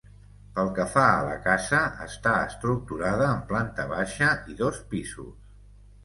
Pel que fa a la casa està estructurada en planta baixa i dos pisos.